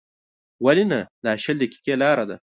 ولې نه، دا شل دقیقې لاره ده.